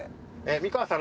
美川さん